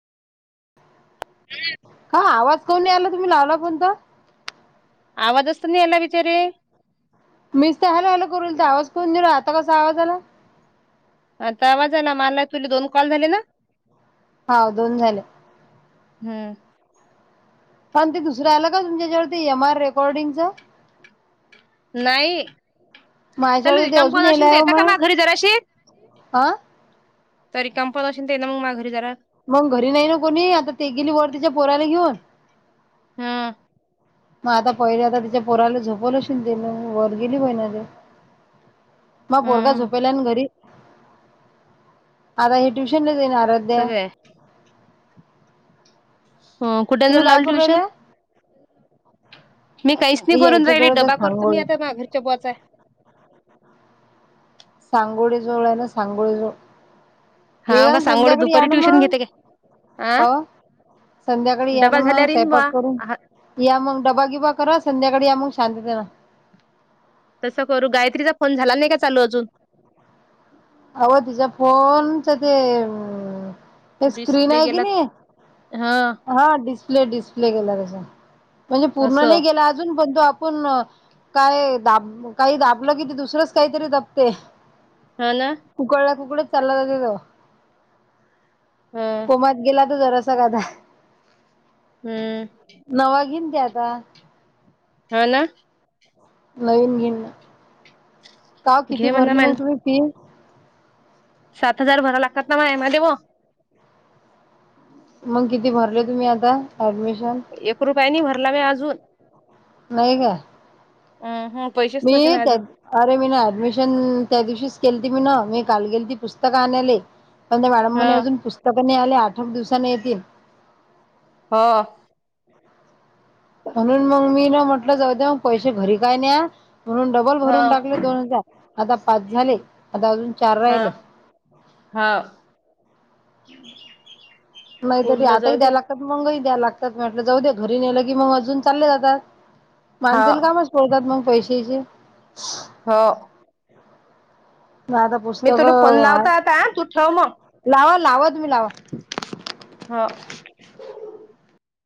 का आवाज काउन नाही आला तुम्ही लावला फोन तर? आवाजच तर नाई आला विचारे? मीच तर हॅलो हॅलो करूनल आवाज करून दिल आता कसा आवाजा आला? आता आवाज आला मला तुले दोन कॉल झाले ना? हो दोन झाले. हम पण ते दुसरं आला का तुमच्या ह्याच्यावरती एम आर रेकॉर्डिंगच? नाही, हॅलो ते रिकाम कोण अशीन तर त येता का माझ्या घरी जराशी? आ? तरी [unintelligible] मग घरी नाही ना कोणी आता ते गेली वर तिच्या पोराला घेऊन. हा. मग आता पहिले आता तिच्या पोराला झोपवल अशीन तेन वर गेली बहिन अन ते. मग पोरगा हं झोपेल्या आणि घरी, आता हे ट्यूशन सुईन आराध्या सगळे हो कुठेतर तुम्ही काय लावली करू ट्युशन राहिला मी काहीच नाही करून यायच्या राहिले, जवळच डबा करतो मी सांगोळे आता बा घरच्या बॉ काय! सांगोळी जवळ आहे, ना सांगोळी जोळ हा का सांगोळी दुपारी ट्युशन घेते काय अं? का ओ? संध्याकाळी या ना मग सयंपाक करून हा या मग डबागिबा करा संध्याकाळी या मंग शांततेन तसं करू, गायत्रीचा फोन झाला नाही का चालू अजून. अव तिचा फोनच ते अ हे स्क्रीन डिस्प्ले आहे की गेला नाही हा हा डिस्प्ले, डिस्प्ले, गेला त्याचा. म्हणजे पूर्ण असं नाही गेला अजून पणंतु आपुण काय दाब काही दाबलं, कि ते दुसरंच काहीतरी दबते हा ना कुकडला कुकडच चाला जातो तो, हं कोमात गेला तर जरा [unintelligible] हूं! [unintelligible] हा ना. नवीन घेइना, का किती घे म्हणा भरली मा मग तुम्ही फी सात हजार भरा लागतात ना माया मदे ओ. मंग किती भरले तुम्ही आता? ऍडमिशन एक रुपयानी भरला मी अजून. नाही का. हूं! मी त्या, अरे मी ना ऍडमिशन त्या दिवशीश केलती मिन मी काल गेलती पुस्तक आनाले, पण त्या मॅड ह म्हणे अजून पुस्तक पण नाही आल्या, आठ एक दिवसाांने येतील. हा! म्हणून मग मी ना म्हटलं जाऊ दया, पैसे घरी काय न्या म्हणून डबल हो भरून टाकले दोन हजार, आता पाच झाले आता अजून चार हा राहिले हा! नाही तरी आताही द्याला लागतात मंगही द्या लागतात म्हटलं जाऊ द्या घरी नेलं की मग अजून चालले जातात, हो माणसेला कामच पळतात मग पैसे चे हो! नाही आता मी पुस्तक तुला फोन आहे, लावतो आता हा तू ठेव मग लावा, लावा तुम्ही लावा [unintelligible]